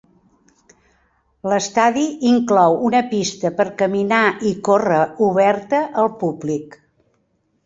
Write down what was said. L'estadi inclou una pista per caminar i córrer oberta al públic.